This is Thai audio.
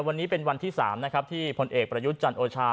วันนี้เป็นวันที่๓นะครับที่พลเอกประยุทธ์จันทร์โอชา